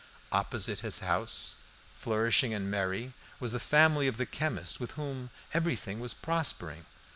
Opposite his house, flourishing and merry, was the family of the chemist, with whom everything was prospering.